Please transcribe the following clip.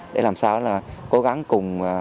để làm sao cố gắng cùng